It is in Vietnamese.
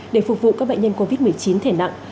để phục vụ các bệnh nhân covid một mươi chín thể nặng